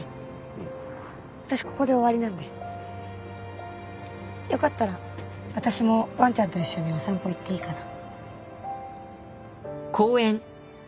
私ここで終わりなんでよかったら私もわんちゃんと一緒にお散歩行っていいかな？